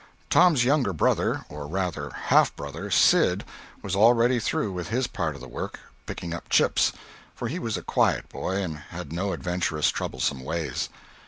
Tom's younger brother (or rather half brother) Sid was already through with his part of the work (picking up chips), for he was a quiet boy, and had no adventurous, trouble some ways.